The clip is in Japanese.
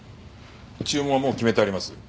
注文はもう決めてあります。